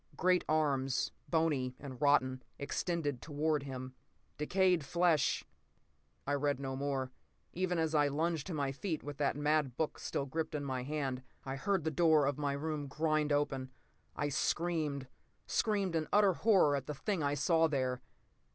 Great arms, bony and rotten, extended toward him. Decayed flesh—" I read no more. Even as I lunged to my feet, with that mad book still gripped in my hand, I heard the door of my room grind open. I screamed, screamed in utter horror at the thing I saw there.